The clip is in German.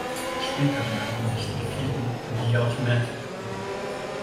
Später benannten sich die vier in "The Automatic" um.